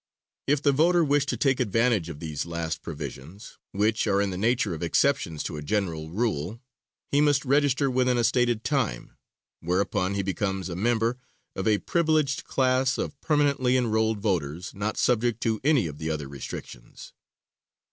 If the voter wish to take advantage of these last provisions, which are in the nature of exceptions to a general rule, he must register within a stated time, whereupon he becomes a member of a privileged class of permanently enrolled voters not subject to any of the other restrictions.